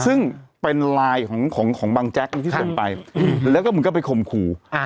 ซึ่งเป็นลายของของของบางแจ๊กที่ส่งไปแล้วก็มึงก็ไปข่มขู่อ่า